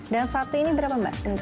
dan satu ini berapa mbak